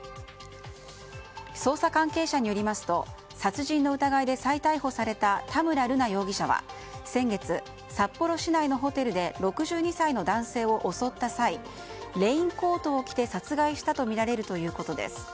捜査関係者によりますと殺人の疑いで再逮捕された田村瑠奈容疑者は先月、札幌市内のホテルで６２歳の男性を襲った際レインコートを着て殺害したとみられるということです。